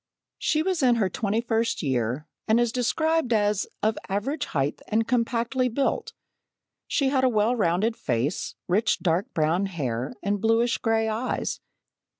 She was in her twenty first year, and is described as "of average height and compactly built." She had a well rounded face, rich dark brown hair, and bluish grey eyes.